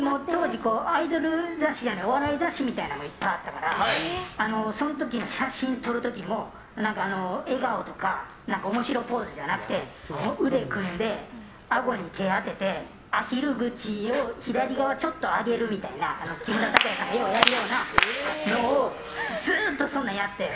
当時、お笑い雑誌みたいなのいっぱいあったからその時、写真撮るときも笑顔とか、面白ポーズじゃなくて腕組んで、あごに手を当ててアヒル口を左側ちょっと上げるみたいな木村拓哉さんがやるようなことをずっとそんなんやって。